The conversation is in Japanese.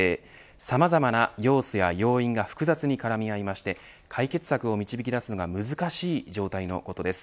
さまざまな要素や要因が複雑に絡み合いまして解決策を導き出すのが難しい状態のことです。